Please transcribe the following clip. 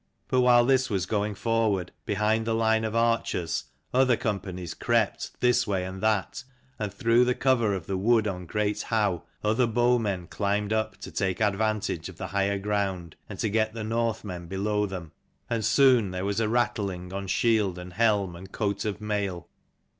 But while this was going forward, behind the line of archers other companies crept this way and that ; and through the cover of the wood on Great Howe other bowmen climbed up to take advantage of the higher ground, and to get the Northmen below them. And soon there was a rattling on shield and helm and coat of mail.